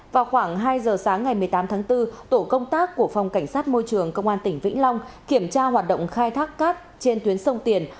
vào khoảng hai giờ sáng ngày một mươi tám tháng bốn tổ công tác của phòng cảnh sát môi trường công an tỉnh vĩnh long kiểm tra hoạt động khai thác cát trên tuyến sông tiền